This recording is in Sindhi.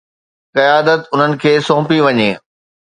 قيادت انهن کي سونپي وڃي